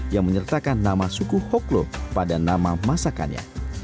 yang menyertakan nama suku hoklo pada nama masakannya